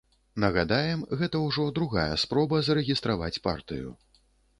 Нагадаем, гэта ўжо другая спроба зарэгістраваць партыю.